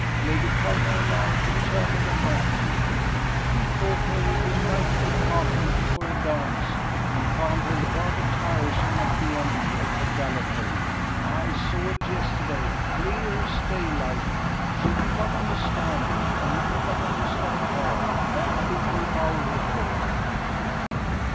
Lady Culmer and I have determined on that view. He thought her a delightful partner for a dance, and found her rather tiresome at the end of the gallopade. I saw it yesterday, clear as daylight. She did not understand him, and he did understand her. That will be our report."